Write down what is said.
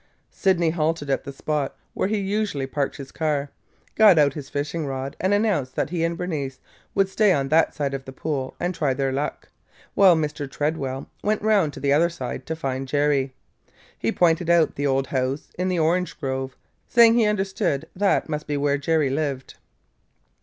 Sydney halted at the spot where he usually parked his car, got out his fishing rod, and announced that he and Bernice would stay on that side of the pool and try their luck, while Mr. Tredwell went round to the other side to find Jerry. He pointed out the old house in the orange grove, saying he understood that must be where Jerry lived.